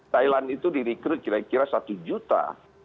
thailand itu direkrut kira kira satu juta